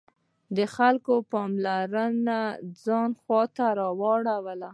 د خلکو پاملرنه ځان خواته واړوي.